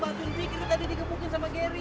jadi si gerry itu suka sama alia dikirain